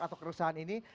atau kerusakan ini